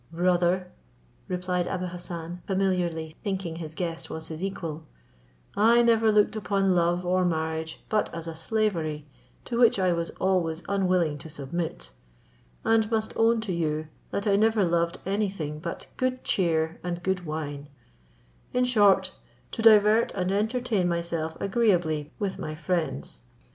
"Brother," replied Abou Hassan, familiarly thinking his guest was his equal, "I never looked upon love or marriage but as a slavery, to which I was always unwilling to submit; and must own to you, that I never loved any thing but good cheer and good wine; in short, to divert and entertain myself agreeably with my friends.